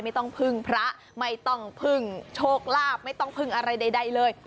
ไม่ต้องพึ่งพระไม่ต้องพึ่งโชคลาภไม่ต้องพึ่งอะไรใดเลย